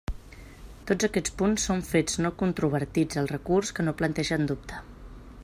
Tots aquests punts són fets no controvertits al recurs que no plantegen dubte.